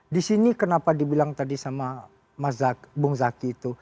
di sini kenapa dibilang tadi sama mas zaky itu